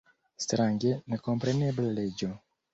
Strange nekomprenebla leĝo!